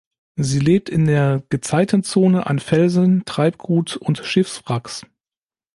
Sie lebt in der Gezeitenzone an Felsen, Treibgut und Schiffswracks.